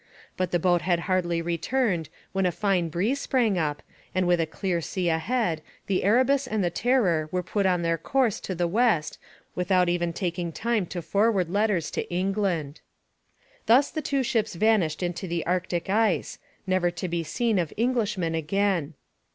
But the boat had hardly returned when a fine breeze sprang up, and with a clear sea ahead the Erebus and the Terror were put on their course to the west without even taking time to forward letters to England. Thus the two ships vanished into the Arctic ice, never to be seen of Englishmen again.